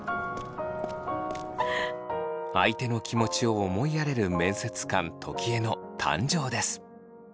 相手の気持ちを思いやれる面接官時枝の誕生です。